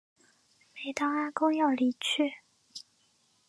每当阿公要离去时